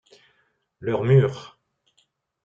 Leurs murs.